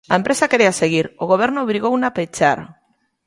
¡A empresa quería seguir, o Goberno obrigouna a pechar!